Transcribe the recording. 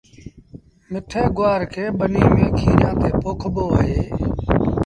مٺي گُوآر کي ٻنيٚ ميݩ کيريآݩ تي پوکبو اهي